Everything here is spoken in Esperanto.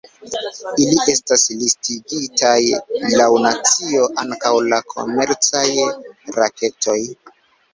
Ili estas listigitaj laŭ nacio, ankaŭ la komercaj raketoj.